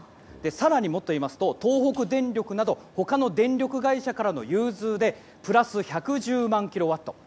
更に言いますと東北電力など他の電力会社からの融通でプラス１１０万キロワット。